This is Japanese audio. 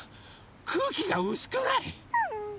くうきがうすくない？